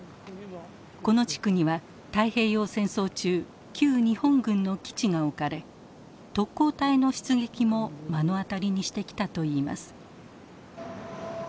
この地区には太平洋戦争中旧日本軍の基地が置かれ特攻隊の出撃も目の当たりにしてきたといいます。